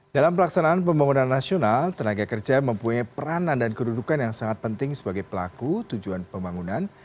dalam pelaksanaan pembangunan nasional tenaga kerja mempunyai peranan dan kedudukan yang sangat penting sebagai pelaku tujuan pembangunan